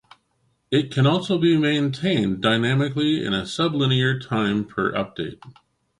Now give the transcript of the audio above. It can also be maintained dynamically in sublinear time per update.